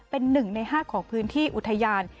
เป็น๑ใน๕ของพื้นที่อุทยาน